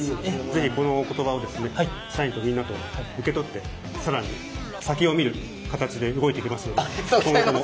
是非このお言葉をですね社員とみんなと受け取って更に先を見る形で動いていきますので今後ともよろしくお願いいたします。